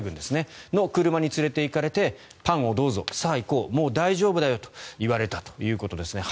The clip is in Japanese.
その車に連れていかれてパンをどうぞさあ、行こうもう大丈夫だよと言われたということです。